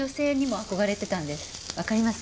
分かります？